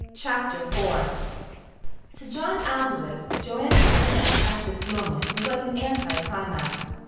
CHAPTER IV To John Aldous Joanne's appearance at this moment was like an anti climax.